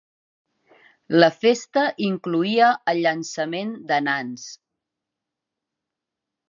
La festa incloïa el llançament de nans.